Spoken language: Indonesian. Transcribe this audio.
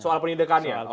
soal penindakannya ya